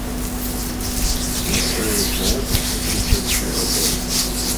Настаивать на этом — это рецепт для затора.